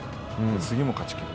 次も勝ちきる。